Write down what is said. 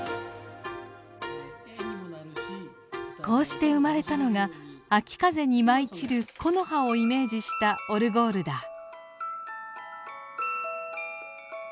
こうして生まれたのが秋風に舞い散る木の葉をイメージしたオルゴールだ。